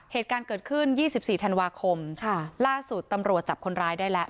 เหตุการณ์เกิดขึ้น๒๔ธันวาคมล่าสุดตำรวจจับคนร้ายได้แล้ว